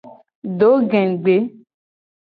Do gegbe.